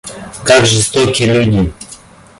Как жестоки люди.